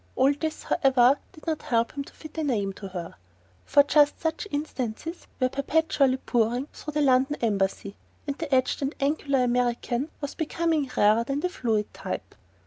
All this, however, did not help him to fit a name to her, for just such instances were perpetually pouring through the London Embassy, and the etched and angular American was becoming rarer than the fluid type.